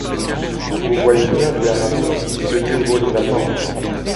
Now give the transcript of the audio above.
Vous voyez bien, dit Aramis, que mieux vaut les attendre.